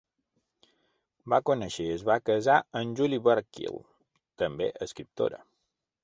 Va conèixer i es va casar amb Julie Burchill, també escriptora.